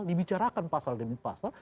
dibicarakan pasal demi pasal